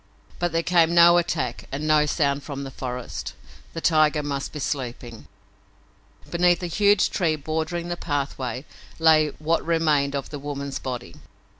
But there came no attack and no sound from the forest. The tiger must be sleeping. Beneath a huge tree bordering the pathway lay what remained of the woman's body.